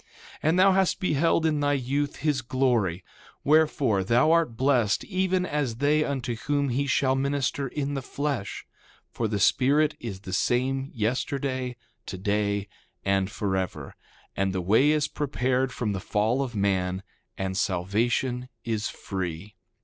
2:4 And thou hast beheld in thy youth his glory; wherefore, thou art blessed even as they unto whom he shall minister in the flesh; for the Spirit is the same, yesterday, today, and forever. And the way is prepared from the fall of man, and salvation is free.